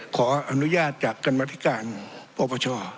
ขออนุญาตจากกรรมธิการปปช